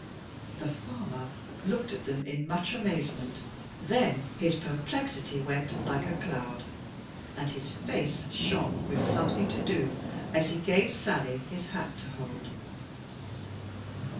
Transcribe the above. The farmer looked at them in much amazement; then his perplexity went like a cloud, and his face shone with something to do, as he gave Sally his hat to hold.